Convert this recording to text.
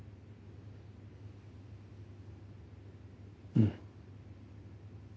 うん。